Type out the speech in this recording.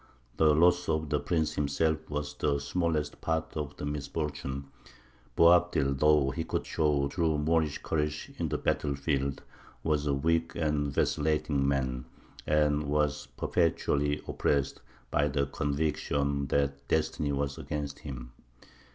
The loss of the prince himself was the smallest part of the misfortune. Boabdil, though he could show true Moorish courage in the battle field, was a weak and vacillating man, and was perpetually oppressed by the conviction that destiny was against him.